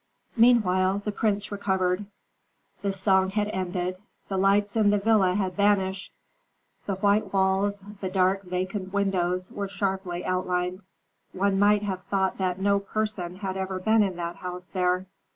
Meanwhile the prince recovered, the song had ended, the lights in the villa had vanished, the white walls, the dark vacant windows were sharply outlined. One might have thought that no person had ever been in that house there.